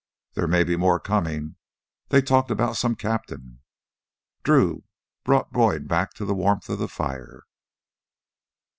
"There may be more comin'; they talked about some captain." Drew brought Boyd back to the warmth of the fire.